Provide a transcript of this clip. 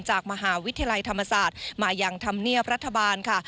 จากมหาวิทยาลัยธรรมศาสตร์มายังธรรมเนียบรัฐบาลค่ะ